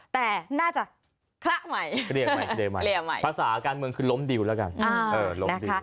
แต่น่าจะคละใหม่